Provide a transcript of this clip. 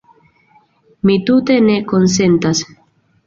Mi tute ne konsentas.